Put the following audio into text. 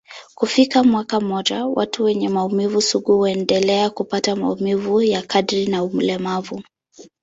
Kufikia mwaka mmoja, watu wenye maumivu sugu huendelea kupata maumivu ya kadri na ulemavu.